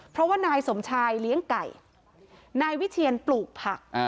เพราะว่านายสมชายเลี้ยงไก่นายวิเชียนปลูกผัก